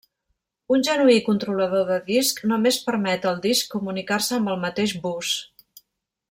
Un genuí controlador de disc només permet al disc comunicar-se amb el mateix bus.